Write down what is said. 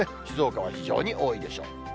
静岡は非常に多いでしょう。